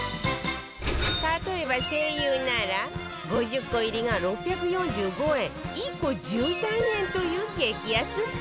例えば ＳＥＩＹＵ なら５０個入りが６４５円１個１３円という激安っぷり